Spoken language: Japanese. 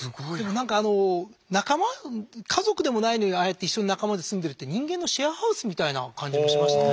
なんか仲間家族でもないのにああやって一緒に仲間で住んでるって人間のシェアハウスみたいな感じもしますね。